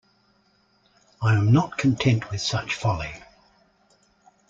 I am not content with such folly.